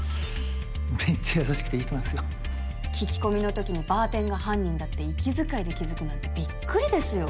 めっちゃ優しくていい人なんすよ聞き込みの時のバーテンが犯人だって息遣いで気付くなんてビックリですよ。